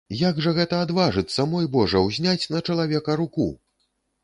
Як жа гэта адважыцца, мой божа, узняць на чалавека руку!